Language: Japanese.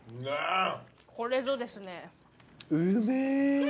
これぞですね。